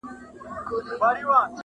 زموږ پاچا دی موږ په ټولو دی منلی-